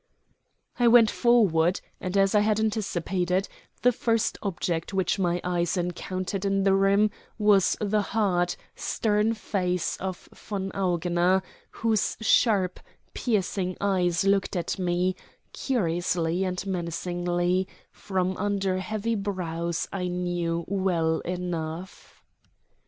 I went forward, and, as I had anticipated, the first object which my eyes encountered in the room was the hard, stern face of von Augener, whose sharp, piercing eyes looked at me, curiously and menacingly, from under the heavy brows I knew well enough.